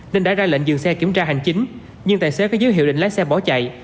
nên đã ra lệnh dừng xe kiểm tra hành chính nhưng tài xế có giới hiệu định lái xe bỏ chạy